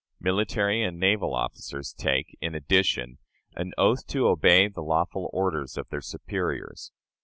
Military and naval officers take, in addition, an oath to obey the lawful orders of their superiors.